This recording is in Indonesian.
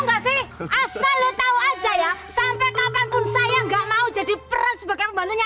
asal lu tahu aja ya sampai kapanpun saya nggak mau jadi peran sebagai pembantunya